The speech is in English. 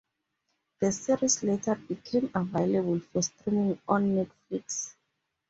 The series later became available for streaming on Netflix.